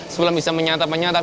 sebelum bisa menyatap menyatap